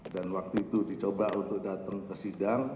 dan waktu itu dicoba untuk datang ke sidang